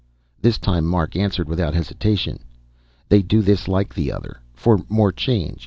This time Mark answered without hesitation. "They do this like the other, for more change.